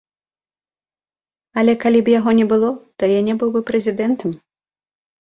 Але калі б яго не было, то я не быў бы прэзідэнтам!